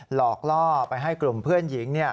หลอกล่อไปให้กลุ่มเพื่อนหญิง